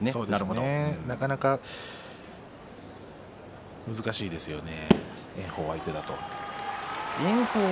なかなか難しいですね。